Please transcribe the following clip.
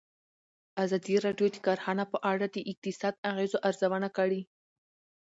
ازادي راډیو د کرهنه په اړه د اقتصادي اغېزو ارزونه کړې.